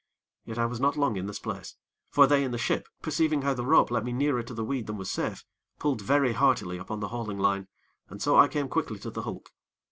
Yet I was not long in this place; for they in the ship, perceiving how the rope let me nearer to the weed than was safe, pulled very heartily upon the hauling line, and so I came quickly to the hulk.